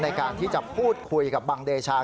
ในการที่จะพูดคุยกับบังเดชา